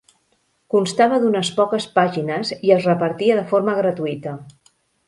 Constava d'unes poques pàgines i es repartia de forma gratuïta.